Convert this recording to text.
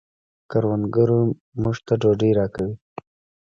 کروندګر موږ ته ډوډۍ راکوي